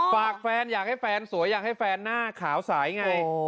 ฝากแฟนอยากให้แฟนสวยอยากให้แฟนหน้าขาวสายไง